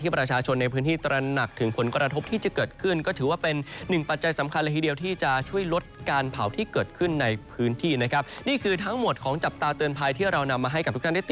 โปรดติดตามตอนต่อไป